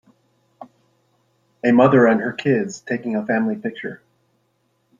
A mother and her kids taking a family picture.